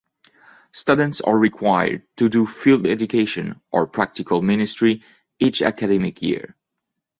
Students are required to do "Field Education" or practical ministry each academic year.